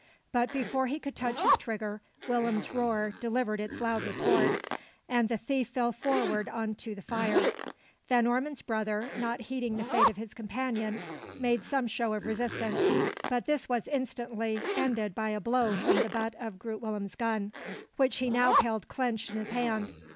But before he could touch his trigger, Willem's roer delivered its loud report, and the thief fell forward on to the fire. Van Ormon's brother, not heeding the fate of his companion, made some show of resistance; but this was instantly ended by a blow from the butt of Groot Willem's gun, which he now held clenched in his hand.